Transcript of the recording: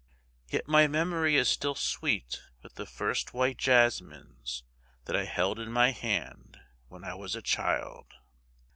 Yet my memory is still sweet with the first white jasmines that I held in my hand when I was a child.